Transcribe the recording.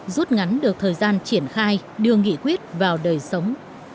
rút ngắn được thời gian triển khai đưa nghị quyết vào đời sống